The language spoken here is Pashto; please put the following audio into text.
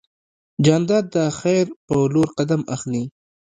جانداد د خیر په لور قدم اخلي.